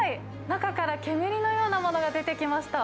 中から煙のようなものが出てきました。